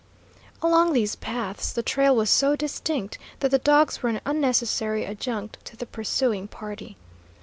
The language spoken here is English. Along these paths the trail was so distinct that the dogs were an unnecessary adjunct to the pursuing party.